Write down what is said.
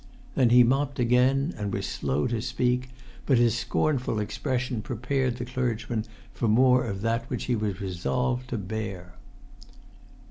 Then he mopped again, and was slow to speak; but his scornful expression prepared the clergyman for more of that which he was resolved to bear.